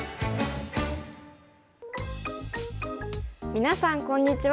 皆さんこんにちは。